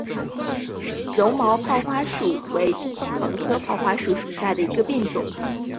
柔毛泡花树为清风藤科泡花树属下的一个变种。